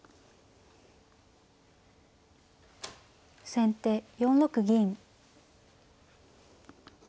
先手４六銀。